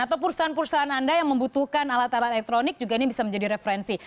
atau perusahaan perusahaan anda yang membutuhkan alat alat elektronik juga ini bisa menjadi referensi